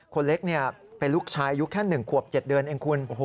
คนเล็กเป็นลูกชายอายุแค่๑ขวบ๗เดือนเองคุณ